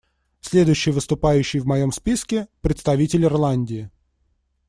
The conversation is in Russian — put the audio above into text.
Следующий выступающий в моем списке — представитель Ирландии.